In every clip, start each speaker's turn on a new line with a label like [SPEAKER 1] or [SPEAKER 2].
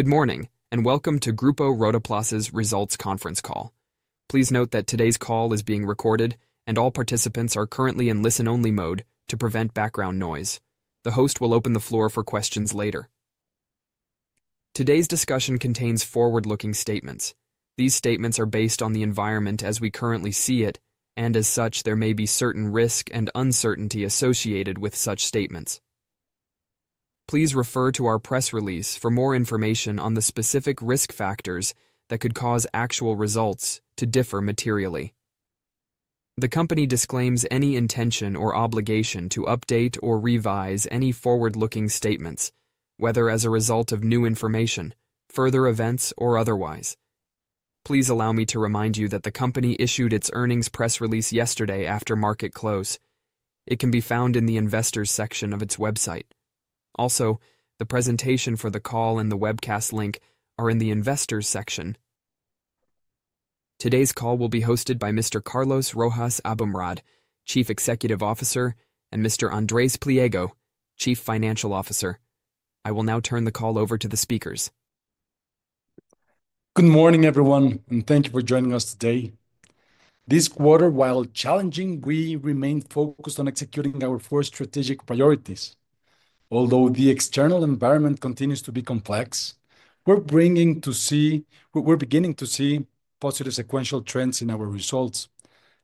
[SPEAKER 1] Good morning, and welcome to Grupo Rotoplas' Results Conference Call. Please note that today's call is being recorded, and all participants are currently in listen-only mode to prevent background noise. The host will open the floor for questions later. Today's discussion contains forward-looking statements. These statements are based on the environment as we currently see it, and as such, there may be certain risk and uncertainty associated with such statements. Please refer to our press release for more information on the specific risk factors that could cause actual results to differ materially. The company disclaims any intention or obligation to update or revise any forward-looking statements, whether as a result of new information, further events, or otherwise. Please allow me to remind you that the company issued its earnings press release yesterday after market close. It can be found in the investors' section of its website. Also, the presentation for the call and the webcast link are in the investors' section. Today's call will be hosted by Mr. Carlos Rojas Aboumrad, Chief Executive Officer, and Mr. Andres Pliego, Chief Financial Officer. I will now turn the call over to the speakers.
[SPEAKER 2] Good morning, everyone, and thank you for joining us today. This quarter, while challenging, we remain focused on executing our four strategic priorities. Although the external environment continues to be complex, we're beginning to see positive sequential trends in our results,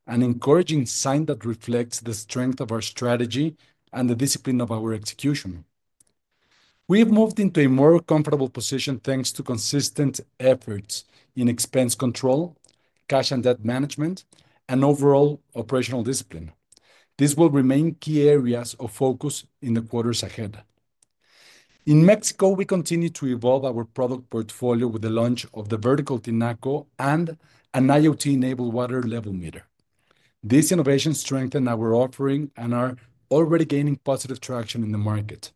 [SPEAKER 2] an encouraging sign that reflects the strength of our strategy and the discipline of our execution. We have moved into a more comfortable position thanks to consistent efforts in expense control, cash and debt management, and overall operational discipline. These will remain key areas of focus in the quarters ahead. In Mexico, we continue to evolve our product portfolio with the launch of the vertical tinaco and an IoT-enabled water level meter. These innovations strengthen our offering and are already gaining positive traction in the market.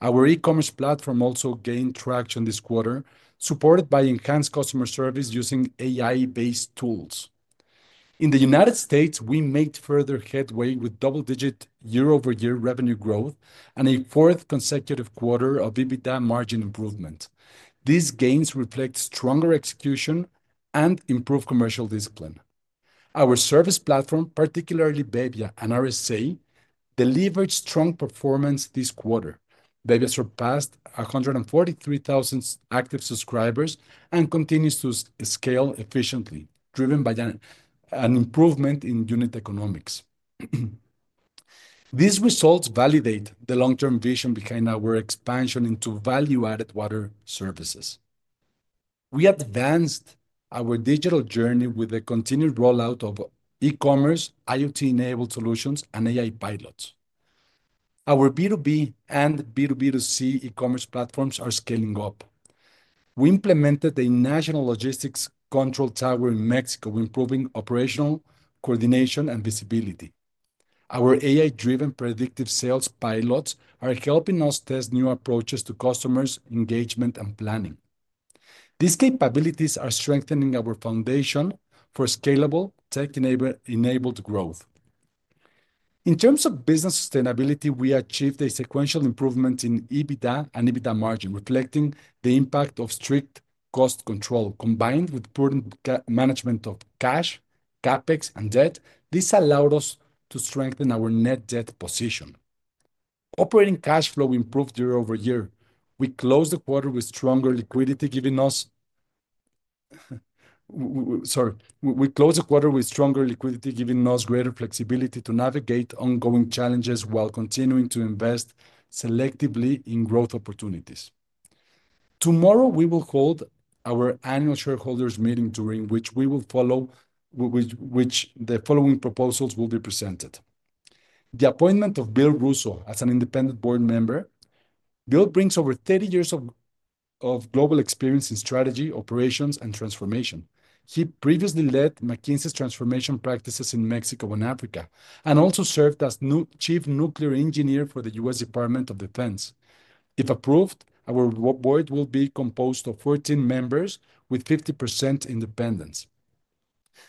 [SPEAKER 2] Our e-commerce platform also gained traction this quarter, supported by enhanced customer service using AI-based tools. In the United States, we made further headway with double-digit year-over-year revenue growth and a fourth consecutive quarter of EBITDA margin improvement. These gains reflect stronger execution and improved commercial discipline. Our service platform, particularly bebbia and RSA, delivered strong performance this quarter. Bebbia surpassed 143,000 active subscribers and continues to scale efficiently, driven by an improvement in unit economics. These results validate the long-term vision behind our expansion into value-added water services. We advanced our digital journey with the continued rollout of e-commerce, IoT-enabled solutions, and AI pilots. Our B2B and B2B2C e-commerce platforms are scaling up. We implemented a national logistics control tower in Mexico, improving operational coordination and visibility. Our AI-driven predictive sales pilots are helping us test new approaches to customer engagement and planning. These capabilities are strengthening our foundation for scalable, tech-enabled growth. In terms of business sustainability, we achieved a sequential improvement in EBITDA and EBITDA margin, reflecting the impact of strict cost control. Combined with prudent management of cash, Capex, and debt, this allowed us to strengthen our net debt position. Operating cash flow improved year-over-year. We closed the quarter with stronger liquidity, giving us greater flexibility to navigate ongoing challenges while continuing to invest selectively in growth opportunities. Tomorrow, we will hold our annual shareholders' meeting, during which the following proposals will be presented. The appointment of Bill Russo as an independent board member. Bill brings over 30 years of global experience in strategy, operations, and transformation. He previously led McKinsey's transformation practices in Mexico and Africa, and also served as Chief Nuclear Engineer for the US Department of Defense. If approved, our board will be composed of 14 members with 50% independence.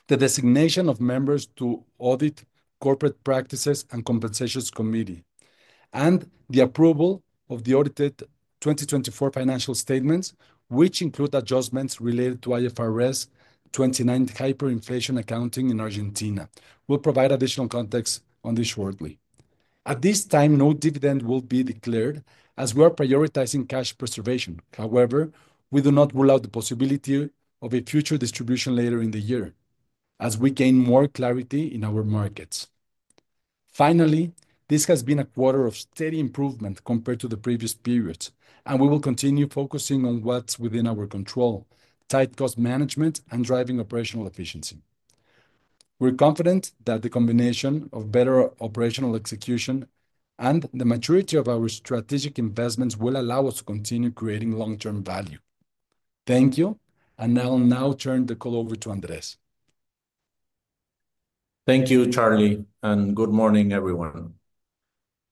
[SPEAKER 2] The designation of members to audit, corporate practices, and compensations committee, and the approval of the audited 2024 financial statements, which include adjustments related to IAS 29 hyperinflation accounting in Argentina, will provide additional context on this shortly. At this time, no dividend will be declared, as we are prioritizing cash preservation. However, we do not rule out the possibility of a future distribution later in the year, as we gain more clarity in our markets. Finally, this has been a quarter of steady improvement compared to the previous periods, and we will continue focusing on what's within our control: tight cost management and driving operational efficiency. We're confident that the combination of better operational execution and the maturity of our strategic investments will allow us to continue creating long-term value. Thank you, and I'll now turn the call over to Andres.
[SPEAKER 3] Thank you, Charlie, and good morning, everyone.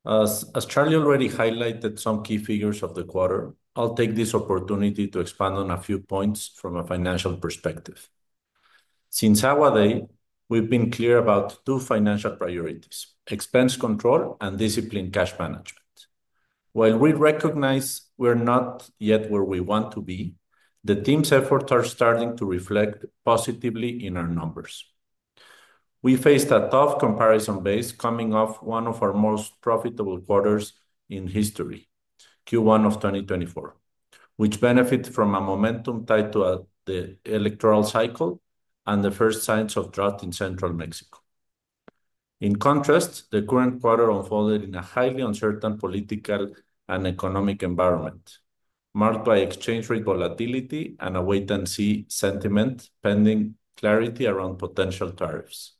[SPEAKER 3] As Charlie already highlighted some key figures of the quarter, I'll take this opportunity to expand on a few points from a financial perspective. Since our day, we've been clear about two financial priorities: expense control and disciplined cash management. While we recognize we're not yet where we want to be, the team's efforts are starting to reflect positively in our numbers. We faced a tough comparison base coming off one of our most profitable quarters in history, Q1 of 2024, which benefited from a momentum tied to the electoral cycle and the first signs of drought in central Mexico. In contrast, the current quarter unfolded in a highly uncertain political and economic environment, marked by exchange rate volatility and a wait-and-see sentiment, pending clarity around potential tariffs.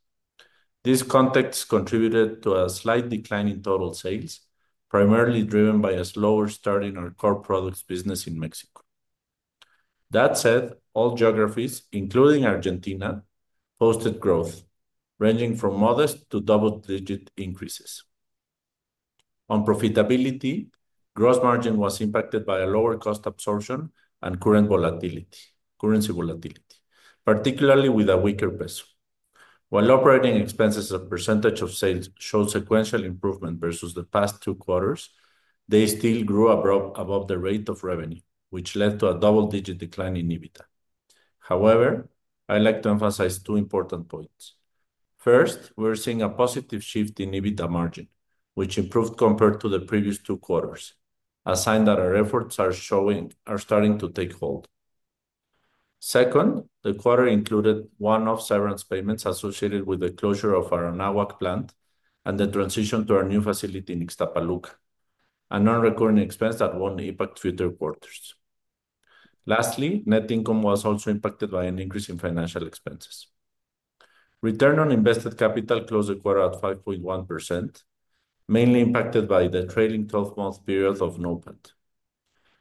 [SPEAKER 3] These contexts contributed to a slight decline in total sales, primarily driven by a slower start in our core products business in Mexico. That said, all geographies, including Argentina, posted growth ranging from modest to double-digit increases. On profitability, gross margin was impacted by a lower cost absorption and current currency volatility, particularly with a weaker peso. While operating expenses as a percentage of sales showed sequential improvement versus the past two quarters, they still grew above the rate of revenue, which led to a double-digit decline in EBITDA. However, I'd like to emphasize two important points. First, we're seeing a positive shift in EBITDA margin, which improved compared to the previous two quarters, a sign that our efforts are starting to take hold. Second, the quarter included one-off severance payments associated with the closure of our Anáhuac plant and the transition to our new facility in Ixtapaluca, a non-recurring expense that will not impact future quarters. Lastly, net income was also impacted by an increase in financial expenses. Return on invested capital closed the quarter at 5.1%, mainly impacted by the trailing 12-month period of NOPAT.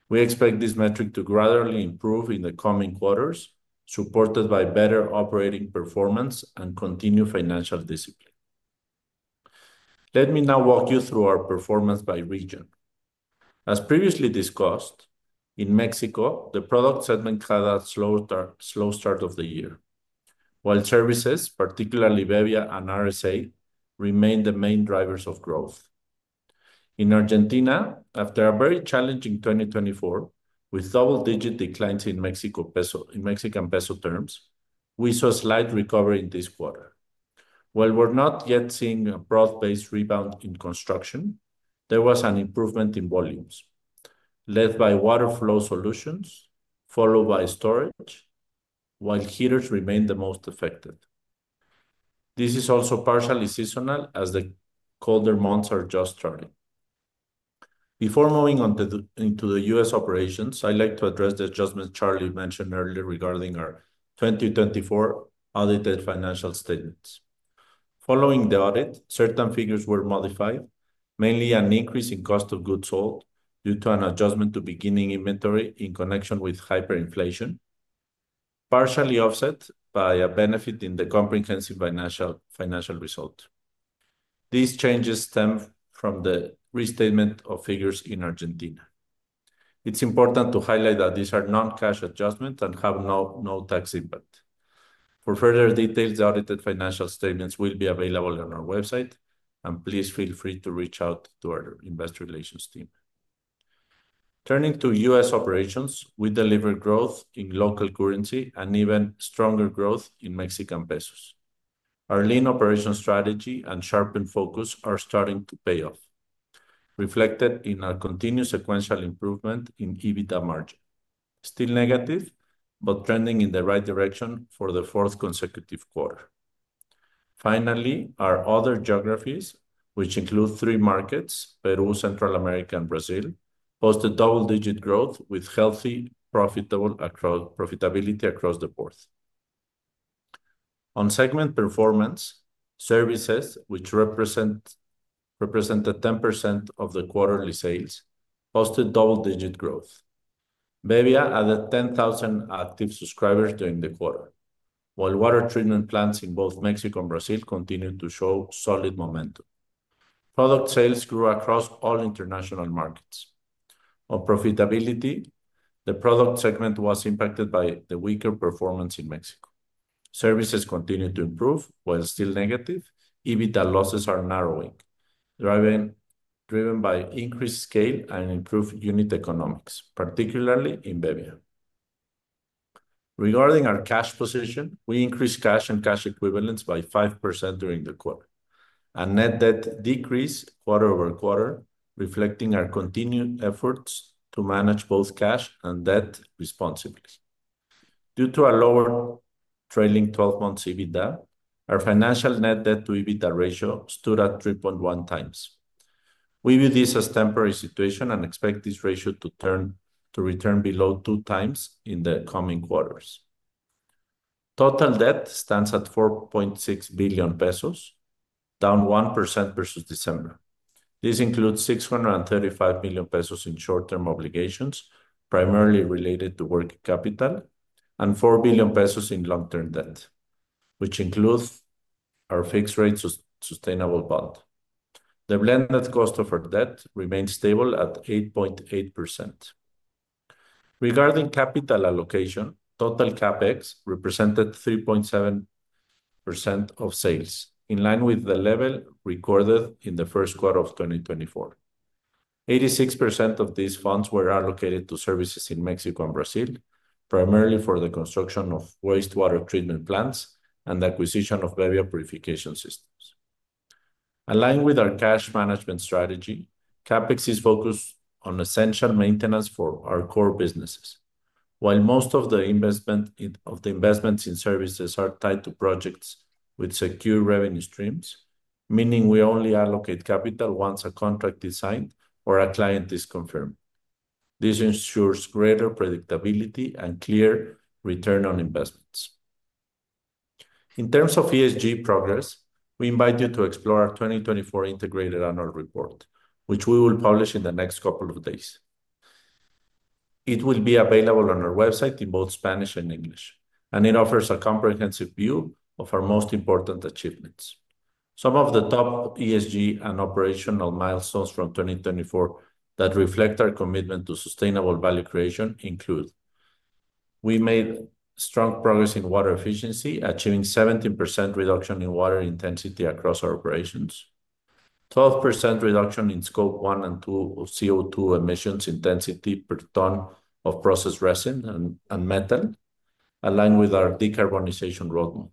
[SPEAKER 3] We expect this metric to gradually improve in the coming quarters, supported by better operating performance and continued financial discipline. Let me now walk you through our performance by region. As previously discussed, in Mexico, the product segment had a slow start of the year, while services, particularly bebbia and RSA, remained the main drivers of growth. In Argentina, after a very challenging 2024, with double-digit declines in Mexican peso terms, we saw a slight recovery in this quarter. While we're not yet seeing a broad-based rebound in construction, there was an improvement in volumes, led by water flow solutions, followed by storage, while heaters remained the most affected. This is also partially seasonal, as the colder months are just starting. Before moving on to the U.S. operations, I'd like to address the adjustments Charlie mentioned earlier regarding our 2024 audited financial statements. Following the audit, certain figures were modified, mainly an increase in cost of goods sold due to an adjustment to beginning inventory in connection with hyperinflation, partially offset by a benefit in the comprehensive financial result. These changes stem from the restatement of figures in Argentina. It's important to highlight that these are non-cash adjustments and have no tax impact. For further details, the audited financial statements will be available on our website, and please feel free to reach out to our investor relations team. Turning to U.S. operations, we delivered growth in local currency and even stronger growth in Mexican pesos. Our lean operations strategy and sharpened focus are starting to pay off, reflected in our continued sequential improvement in EBITDA margin, still negative, but trending in the right direction for the fourth consecutive quarter. Finally, our other geographies, which include three markets: Peru, Central America, and Brazil, posted double-digit growth with healthy profitability across the board. On segment performance, services, which represented 10% of the quarterly sales, posted double-digit growth. Bebbia added 10,000 active subscribers during the quarter, while water treatment plants in both Mexico and Brazil continued to show solid momentum. Product sales grew across all international markets. On profitability, the product segment was impacted by the weaker performance in Mexico. Services continued to improve, while still negative. EBITDA losses are narrowing, driven by increased scale and improved unit economics, particularly in bebbia. Regarding our cash position, we increased cash and cash equivalents by 5% during the quarter. Our net debt decreased quarter-over-quarter, reflecting our continued efforts to manage both cash and debt responsibly. Due to our lower trailing 12-month EBITDA, our financial net debt to EBITDA ratio stood at 3.1 times. We view this as a temporary situation and expect this ratio to return below two times in the coming quarters. Total debt stands at 4.6 billion pesos, down 1% versus December. This includes 635 million pesos in short-term obligations, primarily related to working capital, and 4 billion pesos in long-term debt, which includes our fixed-rate sustainable bond. The blended cost of our debt remains stable at 8.8%. Regarding capital allocation, total CapEx represented 3.7% of sales, in line with the level recorded in the Q1 of 2024. 86% of these funds were allocated to services in Mexico and Brazil, primarily for the construction of wastewater treatment plants and the acquisition of bebbia purification systems. Aligned with our cash management strategy, CapEx is focused on essential maintenance for our core businesses. While most of the investments in services are tied to projects with secure revenue streams, meaning we only allocate capital once a contract is signed or a client is confirmed. This ensures greater predictability and clear ROI. In terms of ESG progress, we invite you to explore our 2024 integrated annual report, which we will publish in the next couple of days. It will be available on our website in both Spanish and English, and it offers a comprehensive view of our most important achievements. Some of the top ESG and operational milestones from 2024 that reflect our commitment to sustainable value creation include: we made strong progress in water efficiency, achieving 17% reduction in water intensity across our operations, 12% reduction in scope one and two CO2 emissions intensity per ton of processed resin and metal, aligned with our decarbonization roadmap.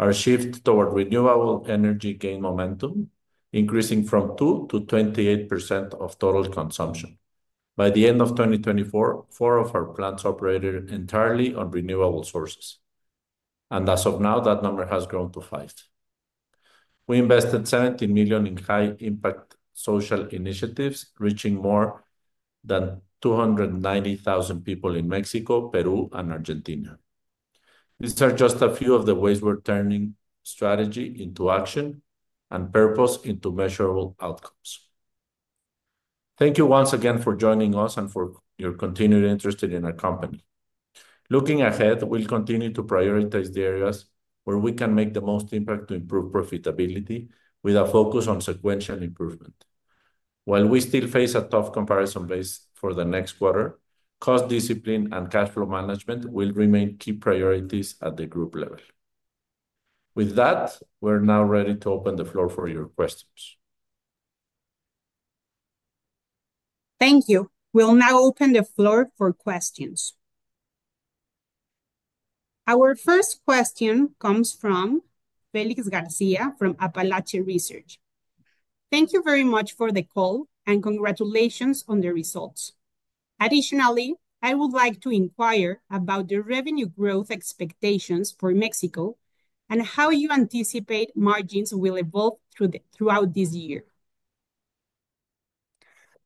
[SPEAKER 3] Our shift toward renewable energy gained momentum, increasing from 2% to 28% of total consumption. By the end of 2024, four of our plants operated entirely on renewable sources, and as of now, that number has grown to five. We invested 17 million in high-impact social initiatives, reaching more than 290,000 people in Mexico, Peru, and Argentina. These are just a few of the ways we're turning strategy into action and purpose into measurable outcomes. Thank you once again for joining us and for your continued interest in our company. Looking ahead, we'll continue to prioritize the areas where we can make the most impact to improve profitability with a focus on sequential improvement. While we still face a tough comparison base for the next quarter, cost discipline and cash flow management will remain key priorities at the group level. With that, we're now ready to open the floor for your questions.
[SPEAKER 1] Thank you. We'll now open the floor for questions. Our first question comes from Félix García from Apalache Research. Thank you very much for the call and congratulations on the results. Additionally, I would like to inquire about the revenue growth expectations for Mexico and how you anticipate margins will evolve throughout this year.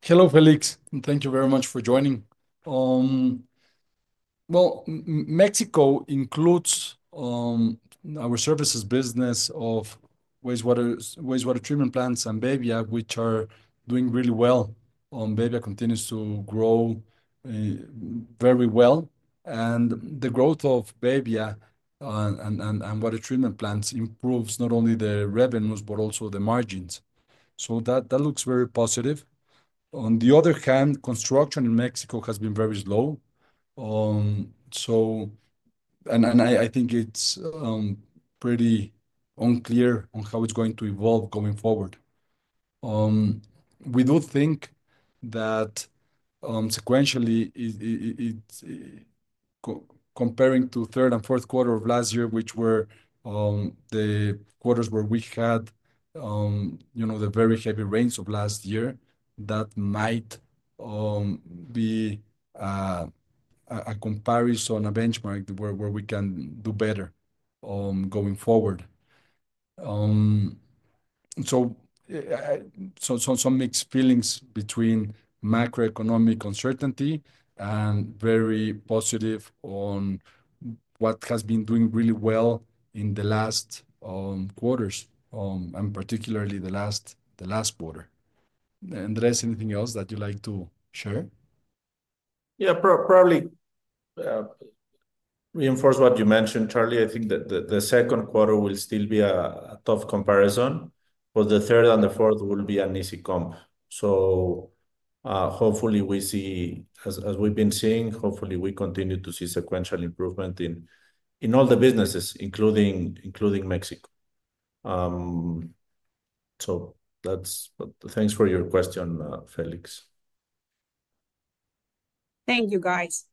[SPEAKER 2] Hello, Félix, and thank you very much for joining. Mexico includes our services business of wastewater treatment plants and bebbia, which are doing really well. Bebbia continues to grow very well, and the growth of bebbia and water treatment plants improves not only the revenues but also the margins. That looks very positive. On the other hand, construction in Mexico has been very slow. I think it is pretty unclear on how it is going to evolve going forward. We do think that sequentially, comparing to the Q3 and Q4 of last year, which were the quarters where we had the very heavy rains of last year, that might be a comparison, a benchmark where we can do better going forward. Some mixed feelings between macroeconomic uncertainty and very positive on what has been doing really well in the last quarters, and particularly the last quarter. Andres, anything else that you'd like to share?
[SPEAKER 3] Yeah, probably reinforce what you mentioned, Charlie. I think that the Q2 will still be a tough comparison, but the third and the fourth will be an easy comp. Hopefully we see, as we've been seeing, hopefully we continue to see sequential improvement in all the businesses, including Mexico. Thanks for your question, Félix.
[SPEAKER 1] Thank you, guys.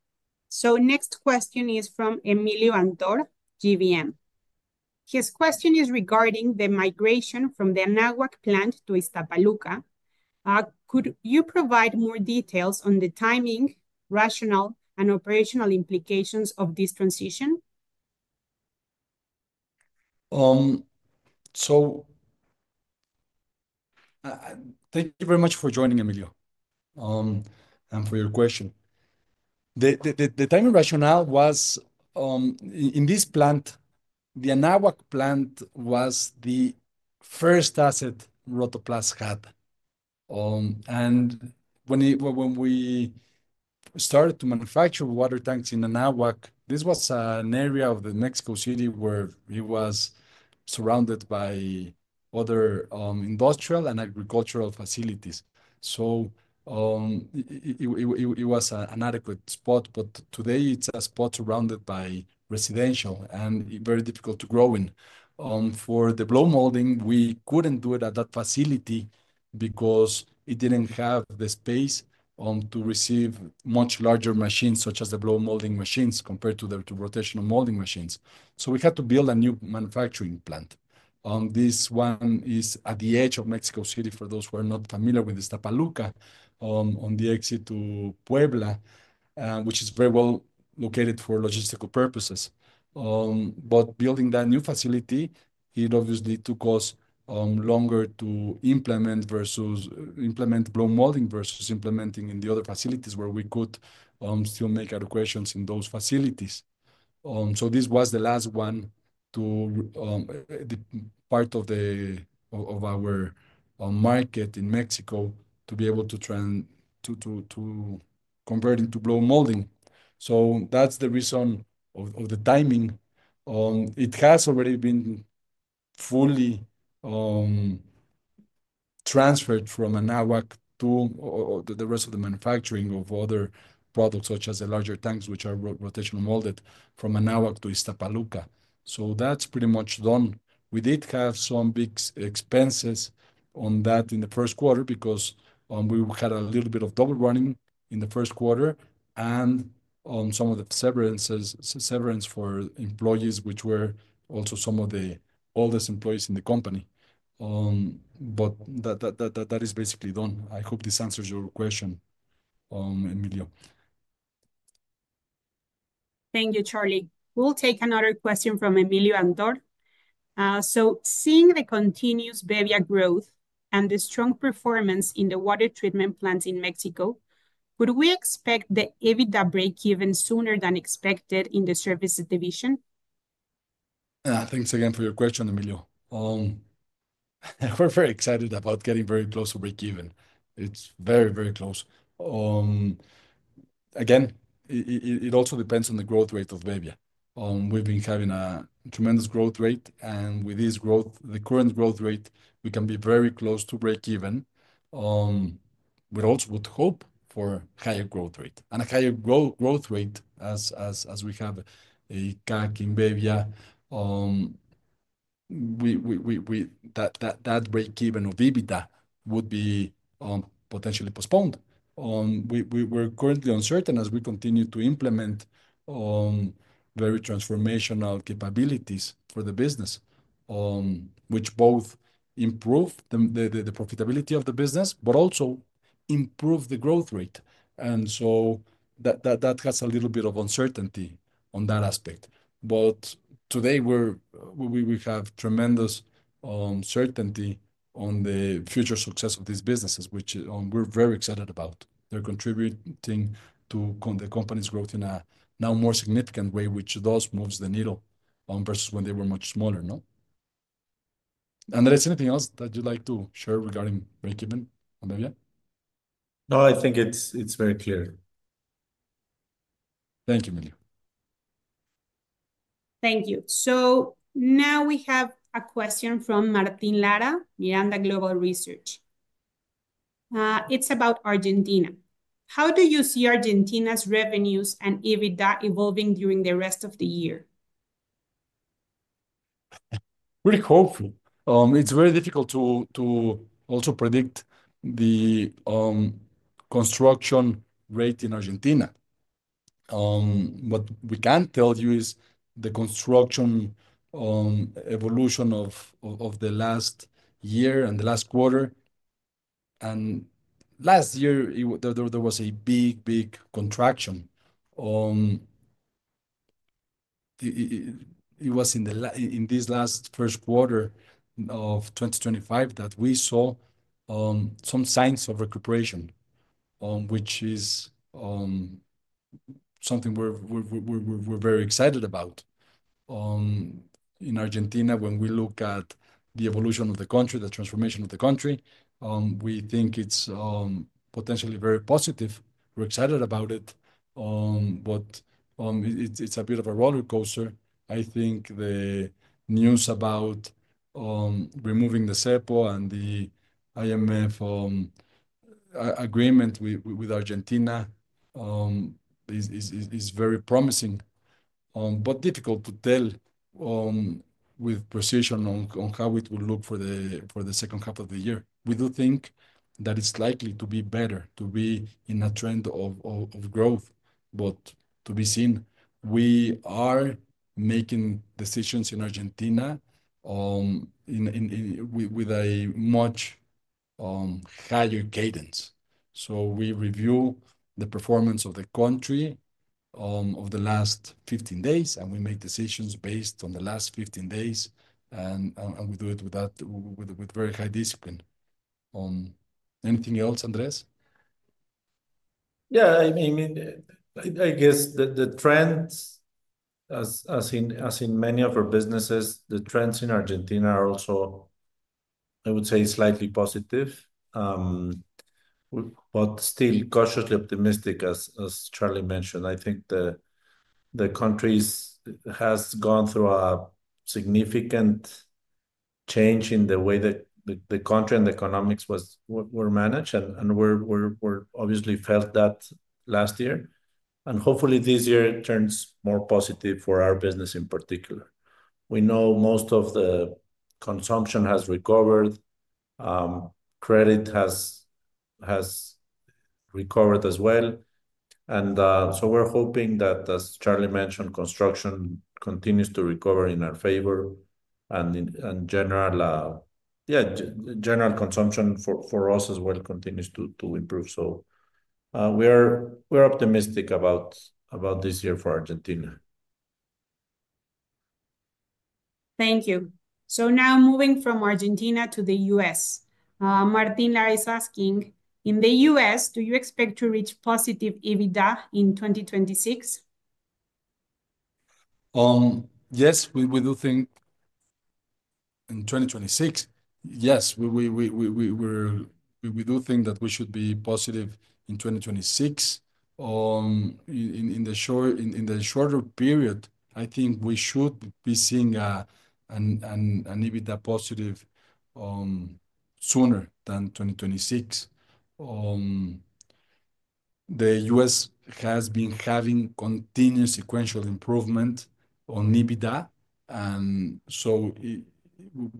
[SPEAKER 1] Next question is from Emilio Antón, GBM. His question is regarding the migration from the NAWAC plant to lxtapaluca. Could you provide more details on the timing, rationale, and operational implications of this transition?
[SPEAKER 2] Thank you very much for joining, Emilio, and for your question. The timing rationale was, in this plant, the NAWAC plant was the first asset Rotoplas had. When we started to manufacture water tanks in the NAWAC, this was an area of Mexico City where it was surrounded by other industrial and agricultural facilities. It was an adequate spot, but today it is a spot surrounded by residential and very difficult to grow in. For the blow molding, we could not do it at that facility because it did not have the space to receive much larger machines, such as the blow molding machines, compared to the rotational molding machines. We had to build a new manufacturing plant. This one is at the edge of Mexico City for those who are not familiar with Ixtapaluca, on the exit to Puebla, which is very well located for logistical purposes. Building that new facility obviously took us longer to implement versus implementing blow molding versus implementing in the other facilities where we could still make adequations in those facilities. This was the last one to the part of our market in Mexico to be able to convert into blow molding. That is the reason for the timing. It has already been fully transferred from NAWAC to the rest of the manufacturing of other products, such as the larger tanks, which are rotational molded, from NAWAC to Ixtapaluca. That is pretty much done. We did have some big expenses on that in the Q1 because we had a little bit of double running in the Q1 and some of the severance for employees, which were also some of the oldest employees in the company. That is basically done. I hope this answers your question, Emilio.
[SPEAKER 1] Thank you, Charlie. We'll take another question from Emilio Antor. Seeing the continuous bebbia growth and the strong performance in the water treatment plants in Mexico, could we expect the EBITDA breakeven sooner than expected in the services division?
[SPEAKER 2] Thanks again for your question, Emilio. We're very excited about getting very close to breakeven. It's very, very close. It also depends on the growth rate of bebbia. We've been having a tremendous growth rate, and with this growth, the current growth rate, we can be very close to breakeven. We also would hope for a higher growth rate. A higher growth rate as we have a CAC in bebbia, that breakeven of EBITDA would be potentially postponed. We're currently uncertain as we continue to implement very transformational capabilities for the business, which both improve the profitability of the business, but also improve the growth rate. That has a little bit of uncertainty on that aspect. Today, we have tremendous certainty on the future success of these businesses, which we're very excited about. They're contributing to the company's growth in a now more significant way, which does move the needle versus when they were much smaller. Andres, anything else that you'd like to share regarding breakeven on bebbia?
[SPEAKER 3] No, I think it's very clear.
[SPEAKER 2] Thank you, Emilio.
[SPEAKER 1] Thank you. Now we have a question from Martin Lara, Miranda Global Research. It's about Argentina. How do you see Argentina's revenues and EBITDA evolving during the rest of the year?
[SPEAKER 2] Pretty hopeful. It's very difficult to also predict the construction rate in Argentina. What we can tell you is the construction evolution of the last year and the last quarter. Last year, there was a big, big contraction. It was in this last Q1 of 2025 that we saw some signs of recuperation, which is something we're very excited about. In Argentina, when we look at the evolution of the country, the transformation of the country, we think it's potentially very positive. We're excited about it, but it's a bit of a roller coaster. I think the news about removing the cepo and the IMF agreement with Argentina is very promising, but difficult to tell with precision on how it will look for the second half of the year. We do think that it's likely to be better, to be in a trend of growth, but to be seen. We are making decisions in Argentina with a much higher cadence. We review the performance of the country of the last 15 days, and we make decisions based on the last 15 days, and we do it with very high discipline. Anything else, Andres?
[SPEAKER 3] Yeah, I mean, I guess the trends, as in many of our businesses, the trends in Argentina are also, I would say, slightly positive, but still cautiously optimistic, as Charlie mentioned. I think the country has gone through a significant change in the way that the country and the economics were managed, and we obviously felt that last year. Hopefully this year turns more positive for our business in particular. We know most of the consumption has recovered. Credit has recovered as well. We are hoping that, as Charlie mentioned, construction continues to recover in our favor. General consumption for us as well continues to improve. We are optimistic about this year for Argentina.
[SPEAKER 1] Thank you. Now moving from Argentina to the U.S., Martin Lara is asking, in the U.S., do you expect to reach positive EBITDA in 2026?
[SPEAKER 2] Yes, we do think in 2026, yes, we do think that we should be positive in 2026. In the shorter period, I think we should be seeing an EBITDA positive sooner than 2026. The U.S. has been having continuous sequential improvement on EBITDA, and so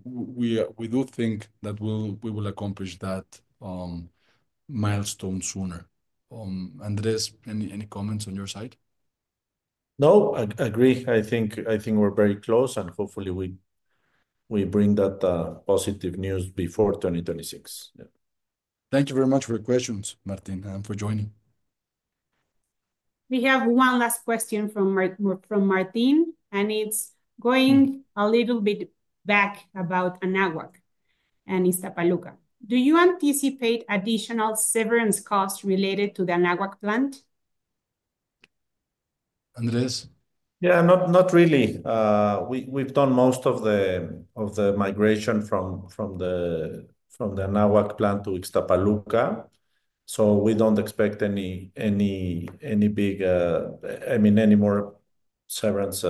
[SPEAKER 2] we do think that we will accomplish that milestone sooner. Andres, any comments on your side?
[SPEAKER 3] No, agree. I think we're very close, and hopefully we bring that positive news before 2026.
[SPEAKER 2] Thank you very much for your questions, Martin, and for joining.
[SPEAKER 1] We have one last question from Martin, and it's going a little bit back about NAWAC and lxtapaluca. Do you anticipate additional severance costs related to the NAWAC plant?
[SPEAKER 2] Andres?
[SPEAKER 3] Yeah, not really. We've done most of the migration from the NAWAC plant to Ixtapaluca. We don't expect any big, I mean, any more severance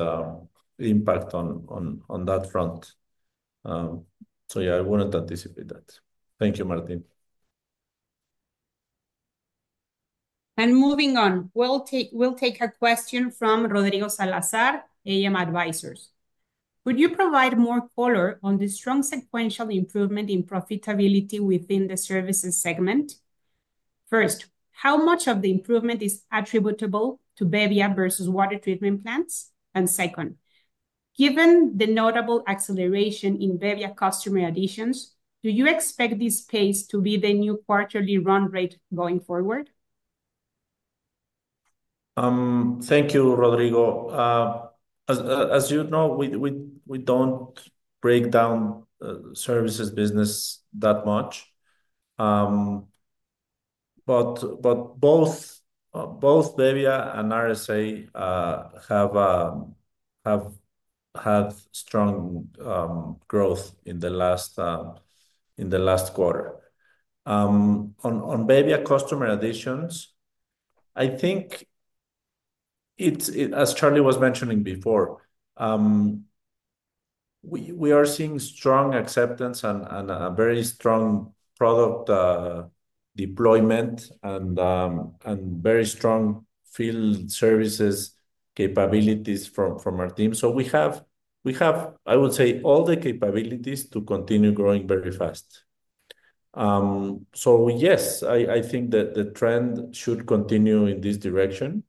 [SPEAKER 3] impact on that front. Yeah, I wouldn't anticipate that. Thank you, Martin.
[SPEAKER 1] Moving on, we'll take a question from Rodrigo Salazar, AM Advisors. Could you provide more color on the strong sequential improvement in profitability within the services segment? First, how much of the improvement is attributable to bebbia versus water treatment plants? Second, given the notable acceleration in bebbia customer additions, do you expect this pace to be the new quarterly run rate going forward?
[SPEAKER 3] Thank you, Rodrigo. As you know, we do not break down services business that much. Both bebbia and RSA have had strong growth in the last quarter. On bebbia customer additions, I think, as Charlie was mentioning before, we are seeing strong acceptance and a very strong product deployment and very strong field services capabilities from our team. We have, I would say, all the capabilities to continue growing very fast. Yes, I think that the trend should continue in this direction.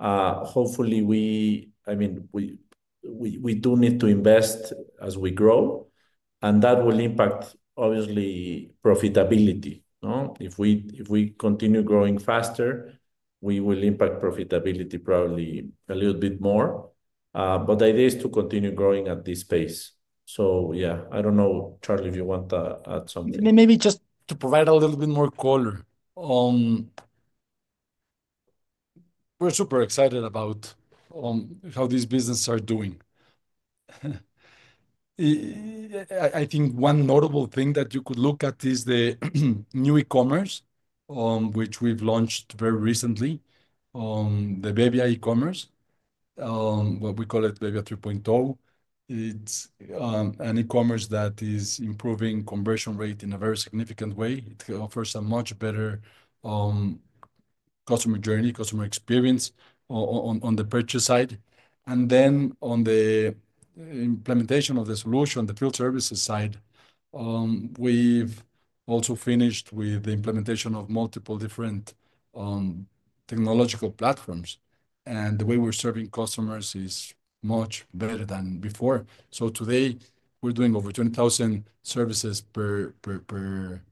[SPEAKER 3] Hopefully, I mean, we do need to invest as we grow, and that will impact, obviously, profitability. If we continue growing faster, we will impact profitability probably a little bit more. The idea is to continue growing at this pace. I do not know, Charlie, if you want to add something.
[SPEAKER 2] Maybe just to provide a little bit more color. We're super excited about how these businesses are doing. I think one notable thing that you could look at is the new e-commerce, which we've launched very recently, the bebbia e-commerce, what we call it bebbia 3.0. It's an e-commerce that is improving conversion rate in a very significant way. It offers a much better customer journey, customer experience on the purchase side. On the implementation of the solution, the field services side, we've also finished with the implementation of multiple different technological platforms. The way we're serving customers is much better than before. Today, we're doing over 20,000 services per quarter.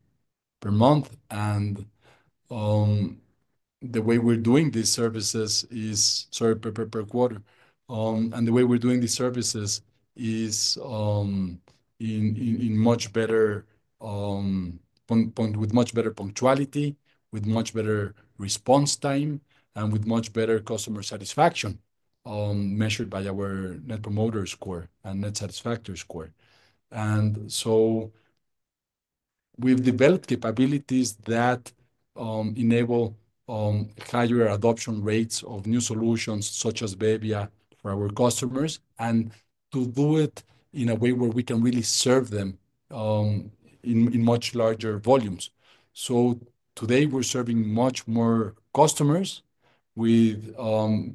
[SPEAKER 2] The way we're doing these services is, sorry, per quarter. The way we're doing these services is in much better, with much better punctuality, with much better response time, and with much better customer satisfaction measured by our Net Promoter Score and Net Satisfaction Score. We have developed capabilities that enable higher adoption rates of new solutions such as bebbia for our customers and to do it in a way where we can really serve them in much larger volumes. Today, we're serving much more customers with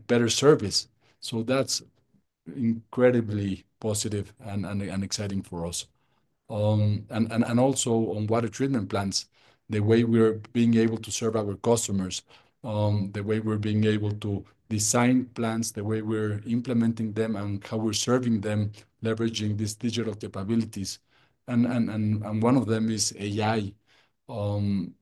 [SPEAKER 2] better service. That's incredibly positive and exciting for us. Also, on water treatment plants, the way we're being able to serve our customers, the way we're being able to design plants, the way we're implementing them and how we're serving them, leveraging these digital capabilities. One of them is AI.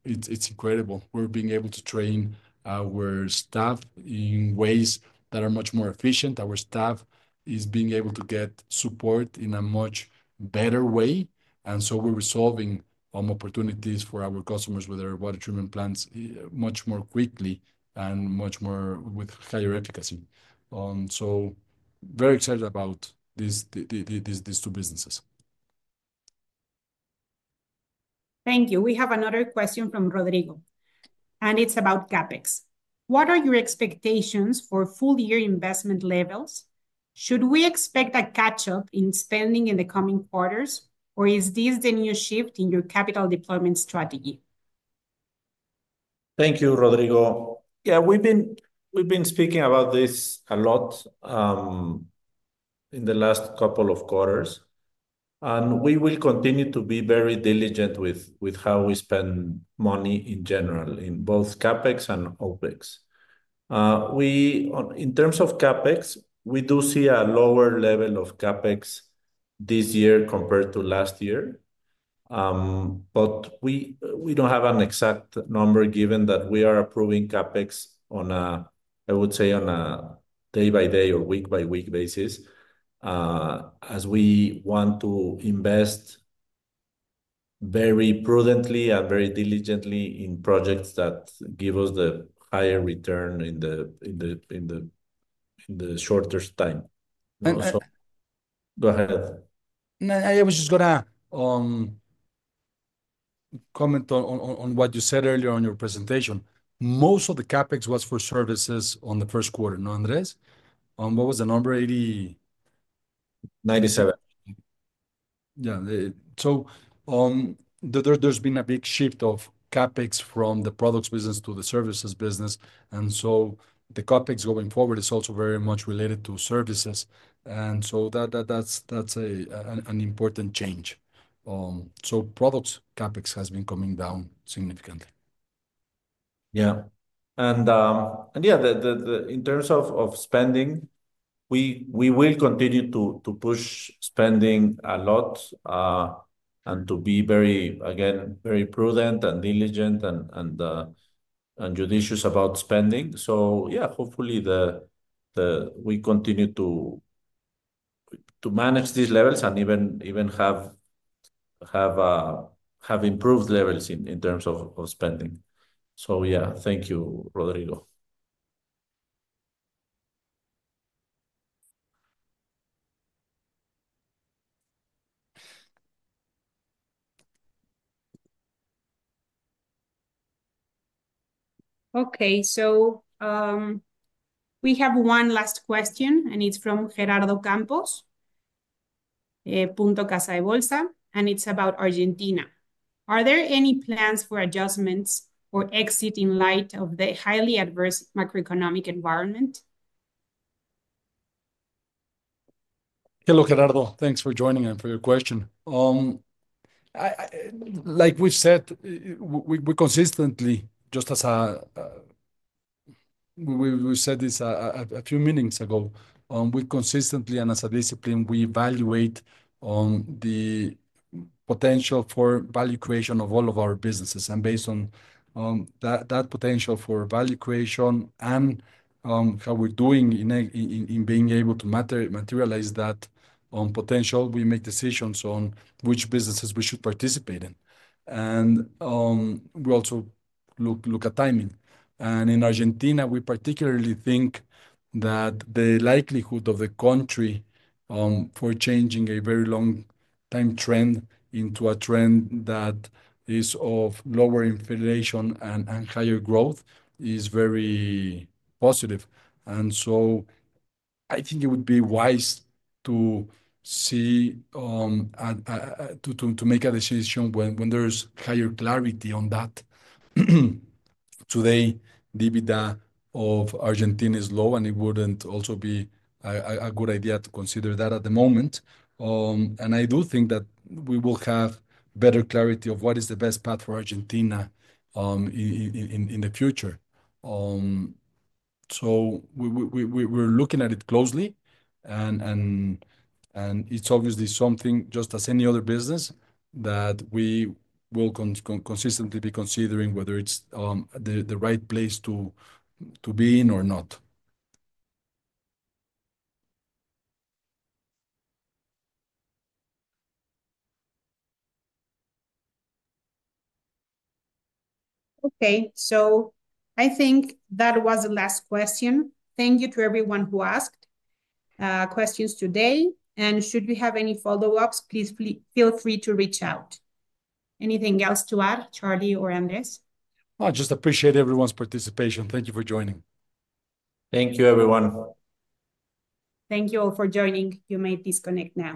[SPEAKER 2] It's incredible. We're being able to train our staff in ways that are much more efficient. Our staff is being able to get support in a much better way. We are resolving opportunities for our customers with our water treatment plants much more quickly and much more with higher efficacy. Very excited about these two businesses.
[SPEAKER 1] Thank you. We have another question from Rodrigo, and it's about CapEx. What are your expectations for full-year investment levels? Should we expect a catch-up in spending in the coming quarters, or is this the new shift in your capital deployment strategy?
[SPEAKER 2] Thank you, Rodrigo. Yeah, we've been speaking about this a lot in the last couple of quarters. We will continue to be very diligent with how we spend money in general, in both CapEx and OpEx. In terms of CapEx, we do see a lower level of CapEx this year compared to last year. We do not have an exact number given that we are approving CapEx, I would say, on a day-by-day or week-by-week basis, as we want to invest very prudently and very diligently in projects that give us the higher return in the shortest time.
[SPEAKER 1] Andres.
[SPEAKER 3] Go ahead. I was just going to comment on what you said earlier on your presentation. Most of the Capex was for services on the Q1, no, Andres? What was the number, 80?
[SPEAKER 2] 97.
[SPEAKER 3] Yeah. There has been a big shift of CapEx from the products business to the services business. CapEx going forward is also very much related to services. That is an important change. Products CapEx has been coming down significantly.
[SPEAKER 2] Yeah, in terms of spending, we will continue to push spending a lot and to be very, again, very prudent and diligent and judicious about spending. Yeah, hopefully we continue to manage these levels and even have improved levels in terms of spending. Yeah, thank you, Rodrigo.
[SPEAKER 1] Okay. We have one last question, and it's from Gerardo Campos, Punto Casa de Bolsa, and it's about Argentina. Are there any plans for adjustments or exit in light of the highly adverse macroeconomic environment?
[SPEAKER 2] Hello, Gerardo. Thanks for joining and for your question. Like we said, we consistently, just as we said this a few meetings ago, we consistently and as a discipline, we evaluate the potential for value creation of all of our businesses. Based on that potential for value creation and how we're doing in being able to materialize that potential, we make decisions on which businesses we should participate in. We also look at timing. In Argentina, we particularly think that the likelihood of the country for changing a very long-time trend into a trend that is of lower inflation and higher growth is very positive. I think it would be wise to make a decision when there's higher clarity on that. Today, the EBITDA of Argentina is low, and it wouldn't also be a good idea to consider that at the moment. I do think that we will have better clarity of what is the best path for Argentina in the future. We are looking at it closely, and it is obviously something, just as any other business, that we will consistently be considering whether it is the right place to be in or not.
[SPEAKER 1] Okay. I think that was the last question. Thank you to everyone who asked questions today. Should we have any follow-ups, please feel free to reach out. Anything else to add, Charlie or Andres?
[SPEAKER 2] I just appreciate everyone's participation. Thank you for joining.
[SPEAKER 3] Thank you, everyone.
[SPEAKER 1] Thank you all for joining. You may disconnect now.